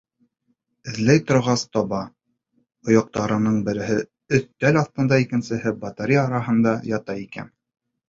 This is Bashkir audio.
Эҙләй торғас, таба: ойоҡтарының береһе өҫтәл өҫтөндә икенсеһе батарея араһында ята икән.